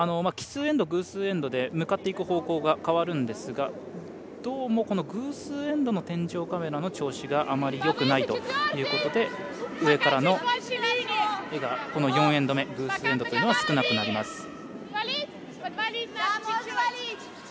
奇数エンド、偶数エンドで向かっていく方向が変わるんですがどうも、偶数エンドの天井カメラの調子があまりよくないということで上からの画が偶数エンドは少なくなります。